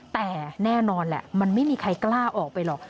แต่แน่นอนแหละมันไม่มีใครกล้าออกไปหรอก